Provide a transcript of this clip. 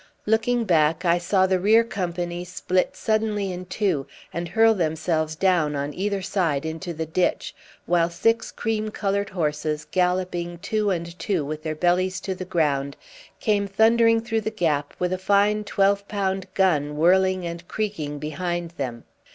Looking back, I saw the rear companies split suddenly in two and hurl themselves down on either side into the ditch, while six cream coloured horses, galloping two and two with their bellies to the ground, came thundering through the gap with a fine twelve pound gun whirling and creaking behind them.